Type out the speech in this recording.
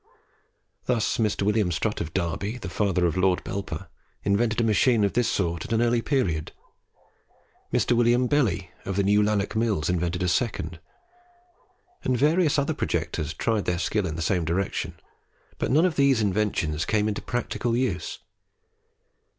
Thus Mr. William Strutt of Derby, the father of Lord Belper, invented a machine of this sort at an early period; Mr. William Belly, of the New Lanark Mills, invented a second; and various other projectors tried their skill in the same direction; but none of these inventions came into practical use.